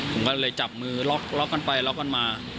ผมก็เลยจับมือล็อกกันไปล็อกกันมา